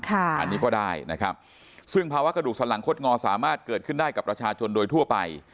อันนี้ก็ได้นะครับซึ่งภาวะกระดูกสลังคดงอสามารถเกิดขึ้นได้กับประชาชนโดยทั่วไป